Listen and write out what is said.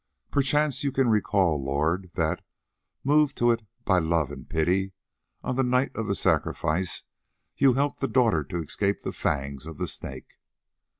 "Perchance you can recall, lord, that, moved to it by love and pity, on the night of the sacrifice you helped that daughter to escape the fangs of the Snake."